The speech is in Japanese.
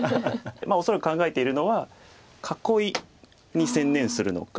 恐らく考えているのは囲いに専念するのか。